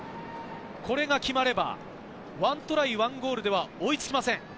これが決まれば１トライ、１ゴールでは追いつきません。